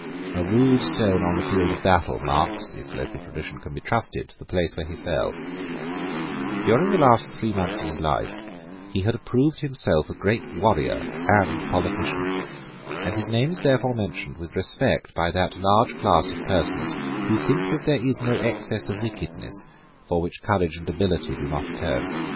A rude stone on the field of battle marks, if local tradition can be trusted, the place where he fell, During the last three months of his life he had approved himself a great warrior and politician; and his name is therefore mentioned with respect by that large class of persons who think that there is no excess of wickedness for which courage and ability do not atone.